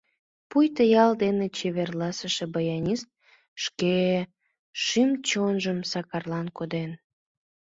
Пуйто ял дене чеверласыше баянист шке шӱм-чонжым Сакарлан коден.